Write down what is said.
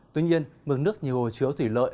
tuy nhiên mưa nước nhiều hồi chứa thủy lợi